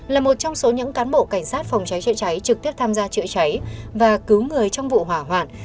là một trong số những cán bộ cảnh sát phòng cháy chữa cháy trực tiếp tham gia chữa cháy và cứu người trong vụ hỏa hoạn